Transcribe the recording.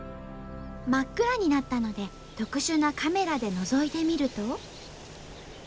真っ暗になったので特殊なカメラでのぞいてみると。